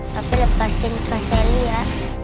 tapi lepasin kak selia